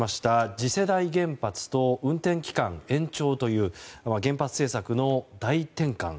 次世代原発と運転期間延長という原発政策の大転換。